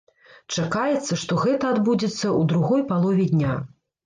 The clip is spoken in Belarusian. Чакаецца, што гэта адбудзецца ў другой палове дня.